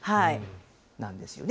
なんですよね。